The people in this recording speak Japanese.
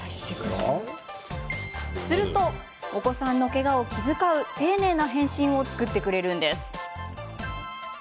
すると、お子さんのけがを気遣う丁寧な返信を作ってくれるんです。